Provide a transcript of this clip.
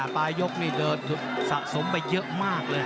ปลายยกนี่เดินสะสมไปเยอะมากเลย